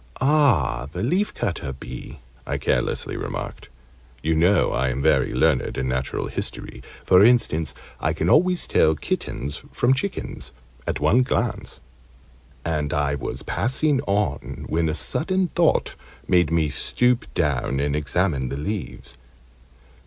"Ah, the leafcutter bee!" I carelessly remarked you know I am very learned in Natural History (for instance, I can always tell kittens from chickens at one glance) and I was passing on, when a sudden thought made me stoop down and examine the leaves.